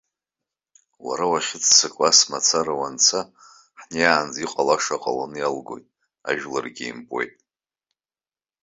Уара уахьыццакуа ас мацара уанца, ҳнеиаанӡа иҟалаша ҟаланы иалгоит, ажәларгьы еимпуеит.